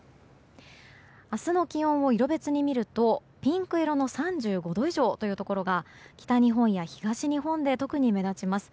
明日の気温を色別に見るとピンク色の３５度以上のところが北日本や東日本で特に目立ちます。